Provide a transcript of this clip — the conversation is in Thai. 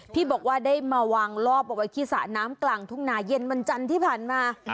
ที่บอกว่าได้มาวางลอบเอาไว้ที่สระน้ำกลางทุ่งนาเย็นวันจันทร์ที่ผ่านมา